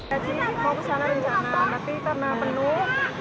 jadi mau kesana rencana tapi karena penuh